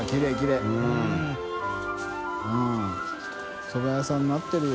Δそば屋さんになってるよ。